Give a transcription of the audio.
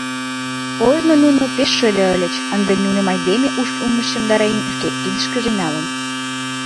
Ожно нуно пеш шыде ыльыч, ынде нуным айдеме уш ӱҥышемдарен, шке кидышкыже налын.